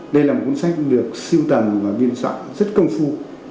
đây là một cuốn sách được siêu tầm và biên soạn rất công phu